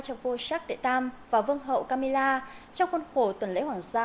cho vua jacques de tam và vương hậu camilla trong khuôn khổ tuần lễ hoàng gia